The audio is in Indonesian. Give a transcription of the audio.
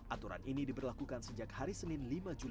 aturan ini diberlakukan sejak hari senin lima juli dua ribu dua puluh satu